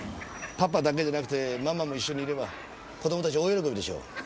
パパだけでなくてママも一緒にいれば子供たち大喜びでしょう。